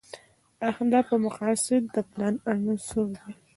اهداف او مقاصد د پلان عناصر دي.